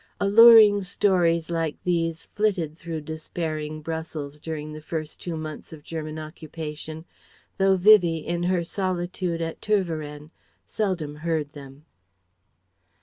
Alluring stories like these flitted through despairing Brussels during the first two months of German occupation, though Vivie, in her solitude at Tervueren, seldom heard them.